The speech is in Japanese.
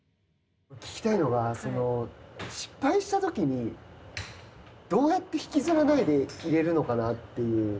聞きたいのが、失敗したときに、どうやって引きずらないでいれるのかなという。